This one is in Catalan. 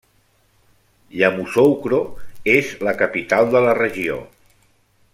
Yamoussoukro és la capital de la regió.